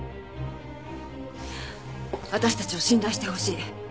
私たちを信頼してほしい。